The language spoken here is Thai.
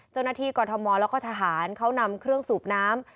เจ้าหน้าที่กรทมแล้วก็ทหารเขานำเครื่องสูบน้ำ